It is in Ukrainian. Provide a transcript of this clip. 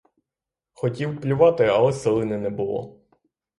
Хотів плювати, але слини не було.